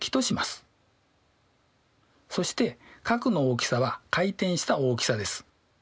そして角の大きさは回転した大きさです。